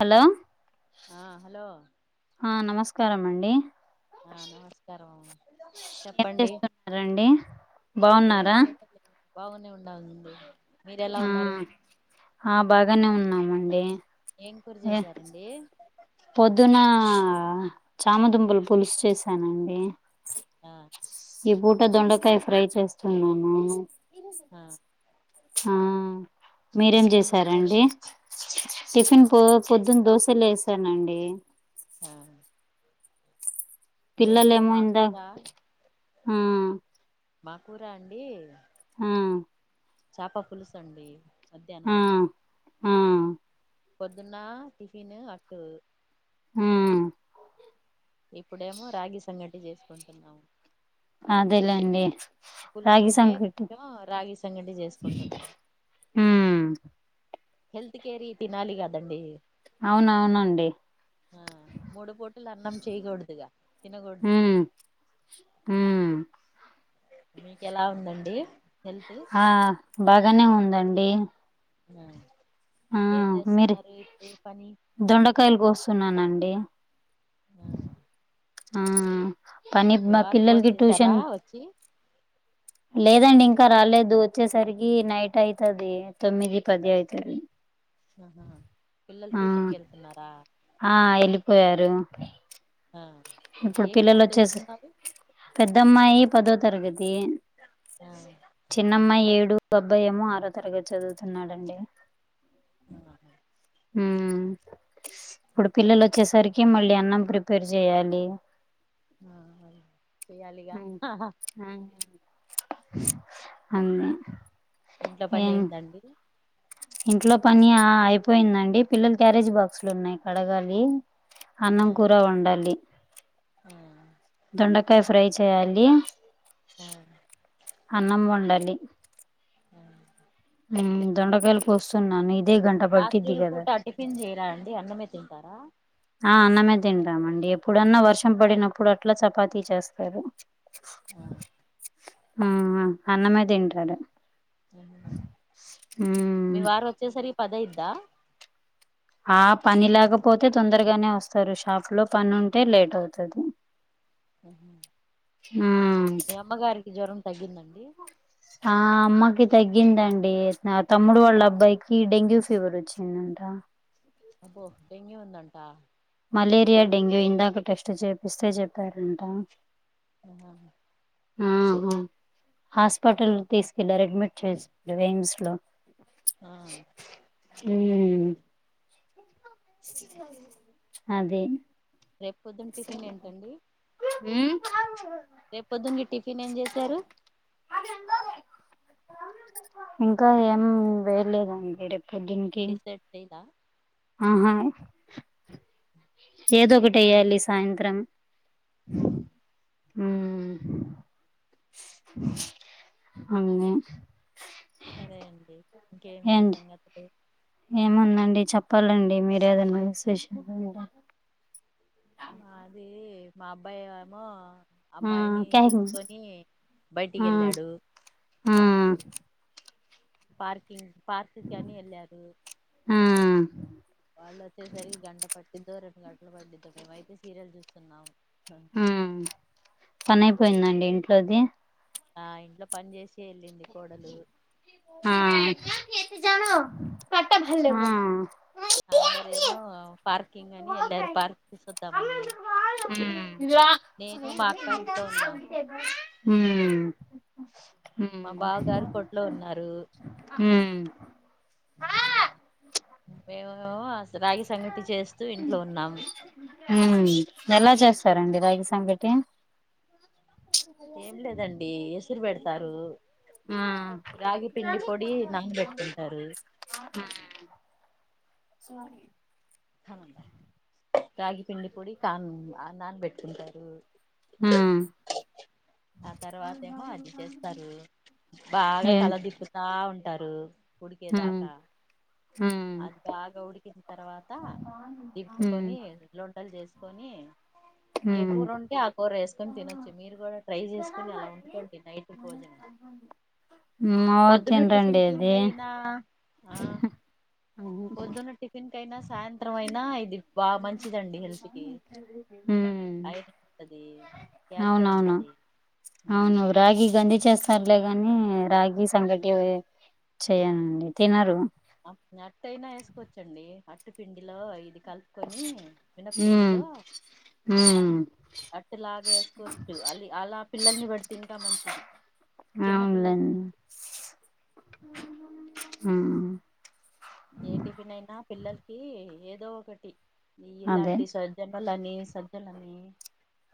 Hello ఆ hello ఆ నమస్కారమండి. ఆ నమస్కారంఅండి. చెప్పండి. రండి ఏం బాగున్నారా చేయట్లేదు బాగునే ఉండ ఉంది ఆ ఆ బాగానే ఉన్నామండి ఏం కూర ఏ చేసారండి పొద్దున చామదుంపలు పులుసు చేసానండి ఆ ఈ పూట దొండకాయ ఫ్రై చేస్తున్నాను ఆ ఆ మీరేం టిఫిన్ ఏం చేసారు చేసారండి టిఫిన్ పో పొద్దున్న దోశలు వేసానండి ఆ మేము పిల్లలేమో మా ఇందా కూర ఆ మా కూర అండి ఆ చాప పులుసు అండి ఆ మధ్యాహ్నం ఆ పొద్దున్న టిఫిను అటు ఆ ఇప్పుడేమో రాగి సంగటి చేసుకుంటున్నాము అదేలేండి పులుసు రాగి ఉంటే సంకటి ఏమో రాగి సంగటి చేసుకుంటున్నాను మ్మ్ హెల్త్ కేరీ తినాలి కదండి అవునవునండి ఆ మూడు పూటలు అన్నం చేయకూడదుగా తినకూడదు మ్మ్ మీకు ఎలా ఉందండి హెల్త్ ఆ బాగానే ఉందండి ఆ ఆ ఏం మీరు చేస్తున్నారు ఇప్పు ఏ పని దొండకాయలు కోస్తున్నానండి ఆ ఆ పని మా పిల్లలకి ట్యూషన్ చ్చి లేదండి ఇంకా రాలేదు వచ్చేసరికి నైట్ అయితది తొమ్మిది పది అయితది ఆహా, పిల్లలు ఆ ట్యూషన్ కి వెళ్తున్నారా ఆ వెళ్ళిపోయారు ఆ ఏ క్లాస్ చదువుతున్నారు పెద్దమ్మాయి పదో తరగతి ఆ, చిన్నమ్మాయి ఏడు ప అబ్బాయేమో ఆరో తరగతి చదువుతున్నాడండి ఆహా మ్మ్ ఇప్పుడు పిల్లలు వచ్చేసరికి మళ్ళీ అన్నం ప్రిపేర్ చెయ్యాలి చెయ్యాలిగా మ్మ్ హు అన్ని ఇంట్లో పని ఏం అయింద అండి ఇంట్లో పని ఆ అయిపోయిందండి పిల్లలు క్యారేజీ బాక్సులు ఉన్నాయి కడగాలి అన్నం కూర వండాలి ఆ దొండకాయ ఫ్రై చేయాలి అన్నం వండాలి ఉమ్మ్ ఉమ్మ్ దొండకాయలు కోస్తున్న నీ రాత్రిలు పూట టిఫిన్ చేయరా అండి అన్నమే తింటారా ఆ అన్నమే తింటామండి ఎప్పుడన్నా వర్షం పడినప్పుడు అట్లా చపాతీ చేస్తారు ఆ, ఉమ్మ్ ఆ అన్నమే తింటాడు మీ వారు వచ్చేసరికి పది అయ్యిద్దా ఆ పని లేకపోతే తొందరగానే వస్తారు షాప్‌లో పని ఉంటే లేట్ అవుతాది ఆహ ఉమ్ మీ అమ్మగారికి జ్వరం తగ్గిందండి ఆ అమ్మకి తగ్గిందండి తమ్ముడు వాళ్ళ అబ్బాయికి డెంగ్యూ ఫీవర్ వచ్చిందంట అబ్బొ డెంగ్యూ ఉందంట మలేరియా డెంగ్యూ ఇందాకా టెస్ట్ చేపిస్తే చెప్పారంట ఆహ ఉమ్మ్మ్ హాస్పిటల్ తీసుకెళ్లారు అడ్మిట్ చేసారు ఎయిమ్స్‌లో ఆ ఉమ్మ్ అదే రేపు పొద్దున్న టిఫిన్ ఏంటండి ఉమ్మ్ రేపు పొద్దునకి టిఫిన్ ఏం చేశారు అది ఎంత ఇంకా ఏం వేయలేదండి రేప్ పొద్దున్ డిసైడ్ చేయాలా ఆహా ఏదో ఒకటి ఎయ్యాలి సాయంత్రం ఆ ఉమ్మ్ అందే సరే అండి ఇంకేంటి సంగతులు ఏముందండి చెప్పాలండి మీరే ఏదన్న విశేషాలు మీరే మాది మా అబ్బాయి ఏమో ఆ అమ్మాయిని క్యాక్ తీసుకొని బయటికి ఎళ్ళాడు ఉహ్మ్ పార్కింగ్ పార్కుకి అని ఎళ్ళారు ఉమ్మ్ వాళ్ళు వచ్చేసరికి గంట పట్టిదో రెండు గంటలు పట్టిదో మేమైతే సీరియల్ చూస్తున్నాం ఉమ్మ్ పని అయిపోయిందండి ఇంట్లోది ఆ ఇంట్లో పని చేసే ఎళ్ళింది కోడలు ఆ‌ ఆ అందరూ ఏమో పార్కింగ్ అని ఎళ్ళారు పార్క్ చూసొద్దామని ఉమ్మ్ నేను మా అక్క ఇంట్లో ఉన్నాము ఉమ్మ్ మా బావ గారు కోట్లో ఉన్నారు ఉమ్మ్ మేమేమో అస రాగి సంగటి చేస్తూ ఇంట్లో ఉన్నాం ఉమ్మ్ ఎలా చేస్తారండి రాగి సంగటి ఏం లేదండి ఎసురు పెడతారు ఆ రాగి పిండి పొడి నాన్ బెట్టుకుంటారు హ్మ్ ఇట్స్ రాగి పిండి పొడి తాన్ నాన్ పెట్టుకుంటారు హ్మ్ ఆ తర్వాత ఏమో అది చేస్తారు బాగా ఏం కలదిపుతా ఉంటారు ఉడికే మ్మ్ దాకా మ్మ్ అది బగా ఉడికిన తర్వాత మ్మ్ దింపుకొని లో రొట్టెలు చేసుకొని ఏ మ్మ్ కూర ఉంటే ఆ కూర వేసుకొని తినొచ్చు మీరు కూడా ట్రై చేసుకొని అలా వండుకోండి నైట్ భోజనం మా వారు పొద్దున్న టిఫిన్ తినరండి అది కిందయినా ఆ అవు పొద్దున్న టిఫిన్ కైనా సాయంత్రం అయినా ఇది బాగా మంచిదండి హెల్త్ కి ఐరన్ ఉంటది క్యాల్షియం అవునవును ఉంటది అవును రాగి గంజి చేస్త సర్లేగాని రాగి సంగటి చేయనండి తినరు అట్టైనా వేసుకోవచ్చండి అట్టు పిండిలో ఇది కలిపి కొని మినపిండిలో హ్మ్ అట్టులాగ వేసుకోవచ్చు అల్ అలా పిల్లల్ని పెడితే ఇంకా మంచిది చిన్న పిల్లలకి అవునులేండి హ్మ్ ఏ టిఫిన్ అయినా పిల్లలకి ఏదో ఒకటి అదే ఇలాంటి స జొన్నలని సజ్జలని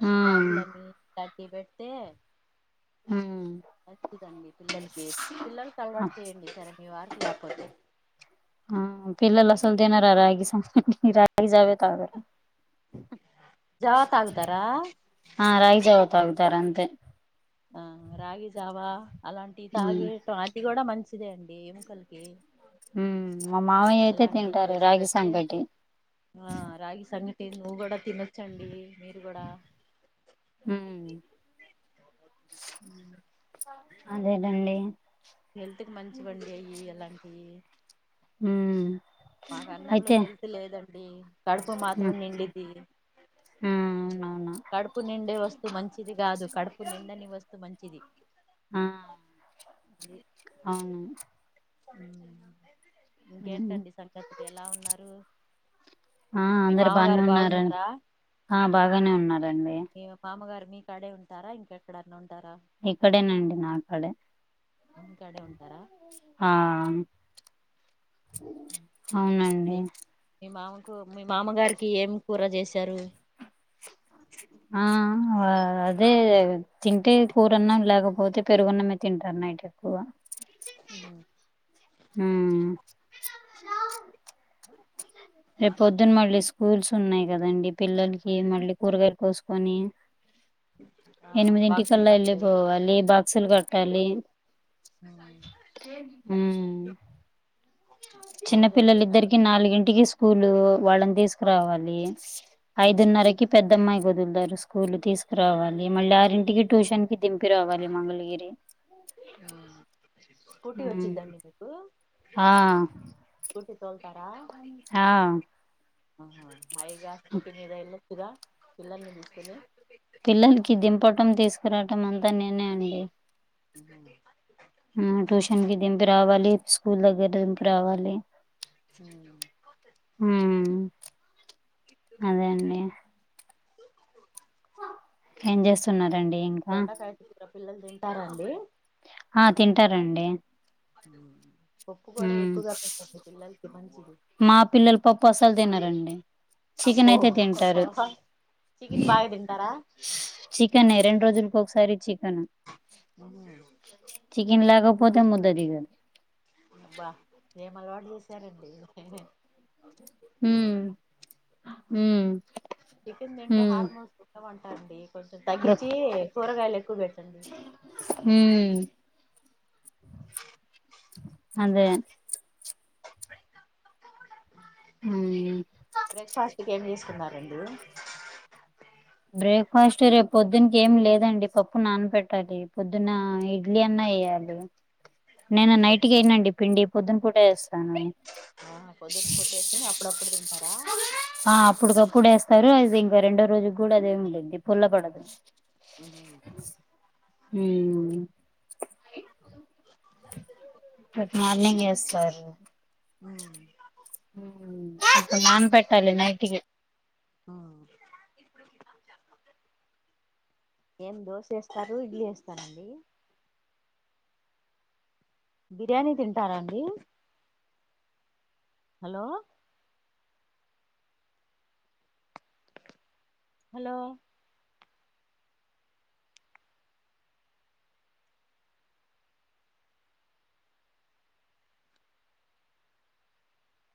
ఉమ్ రాగులని ఇలాంటివి పెడితే హ్మ్ మంచిదండి పిల్లలకి పిల్లలకి అలవాటు చేయండి సరే మీ వారు తినకపోతే ఆ పిల్లలు అస్సలు తినరు ఆ రాగి సంకటి రాగి జావే తాగరు జావ తాగుతారా ఆ రాగి జావ తాగుతారు అంతే ఆ రాగి జావా అలాంటివి ఉమ్ తాగేటం అది కూడా మంచిదే అండి ఎముకలకి హ్మ్ మా మావయ్య అయితే అలాంటివి తింటారు చేసి రాగి పెడితే సంకటి ఆ రాగి సంగటి నువ్వు కూడా తినొచ్చండి మీరు కూడా హ్మ్ హ్మ్ అదేనండి హెల్త్ కి మంచివండి అయి అలాంటియి హ్మ్ మాకు అన్నంలో హెల్త్ లేదండి కడుపు ఉమ్ మాత్రం నిండిదీ ఆ అవునవును కడుపు నిండే వస్తు మంచిది కాదు కడుపు నిండని వస్తు మంచిది ఆ లెద్ అవును హ్మ్ ఉమ్. ఇంకేంటండి సంగతులు ఎలా ఉన్నారు ఆ మీ అందరు బానే మామగారు ఉన్నారం బాగున్నారా ఆ బాగానే ఉన్నారండి మీ మామగారు మీ కాడే ఉంటారా ఇంకెక్కడన్న ఉంటారా ఇక్కడేనండి నాకడే మీ కాడే ఉంటారా ఆ అవునండి మీ మీ మావకు మీ మామగారికి ఏం కూర చేసారు ఆ అదే తింటే కూరన్నాం లేకపోతే పెరుగన్నమే తింటాడు నైట్ ఎక్కువ ఉ ఆ రేపు పొద్దున మళ్ళీ స్కూల్స్ ఉన్నాయి కదండి పిల్లలకి మళ్ళీ కూరగాయ కోసుకొని ఆ బాక్సులు ఎనిమిదింటికల్లా ఏళ్ళి కట్టే పోవాలి బాక్సులు కట్టాలి ఉ చిన్న అవునులేండి నల్ పిల్లలిద్దరికి నాలుగింటికి స్కూలు వాళ్ళని తీసుక రావాలి ఐదున్నరకి పెద్దమ్మాయి వదులుతరు స్కూల్ తీసుకురావాలి మళ్ళీ ఆరింటికి ట్యూషన్ కి దింపి రావాలి మంగళగిరి స్కూటీ హ్మ్. వచ్చిద్దండి మీకు ఆ స్కూటీ తోల్తారా ఆ అహ హయిగా స్కూటీ మీద ఎళ్లొచ్చుగా పిల్లల్ని తీస్కొని పిల్లలకి దింపటం తీసుకురాటం అంతా నేనే అండి ఆ ఉమ్ ట్యూషన్ కి దింపి రావాలి స్కూల్ దగ్గర దింపి రావాలి ఉమ్ అదే అండి ఏం చేస్తున్నారండి ఇంకా దొండకాయ కూర పిల్లలు తింటారాండి హ తింటారండి పప్పు కూడ ఉమ్ ఎక్కువగా పెట్టండి పిల్లలకి మంచిది మా పిల్లల్ పప్పు అసలు తినరండి అబ్బో చికెనయితే తింటారు చికెన్ బాగా తింటారా చికనె రెండు రోజులకి ఒకసారి చికెన్ ఆ చికెన్ లేకపోతే ముద్ద దిగదు అబ్బ ఏం అలవాటు చేశారండి ఉ ఉ చికన్ తింటే హార్మోన్స్ పుట్టవంటండి కొంచెం ప్ర తగ్గించి కూరగాయలు ఎక్కువ పెట్టండి ఉ అదే ఉ బ్రేక్ఫాస్ట్కి ఏం చేసుకున్నారండి బ్రేక్ఫాస్ట్ రేపు పొద్దున్కి ఏమి లేదండి పప్పు నాన పెట్టాలి పొద్దున్న ఇడ్లీ అన్న ఏయాలి నేను నైట్కి పొద్దున్న ఏయినండి పిండి పొద్దున పూట ఏస్తాను ఆ పొద్దున పెట్టేసుకొని అప్పుదప్పుడు తింటారా ఆ అప్పుడిదప్పుడు ఏస్తారు అది ఇంక రెండో రోజు కూడా అదే ఉండింది పుల్ల పడదు ఉహు మ్మ్ రేపు మార్నింగ్ వేస్తారు హు ఇప్పు నాన్బెట్టాలి నైట్కి ఆ ఏం దోశ ఎస్తారు ఇడ్లీ ఎస్తారండి బిర్యానీ తింటారా అండి హలో హలో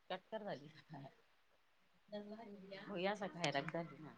కట్కర దాజ సఖా సఖాయ రదానా